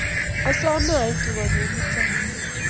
Asome iitu konyon mutai